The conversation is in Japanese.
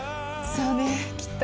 そうねきっと。